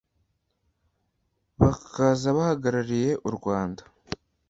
bakaza bahagarariye u Rwanda